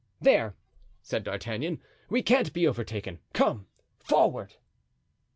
"There!" said D'Artagnan, "we can't be overtaken. Come! forward!"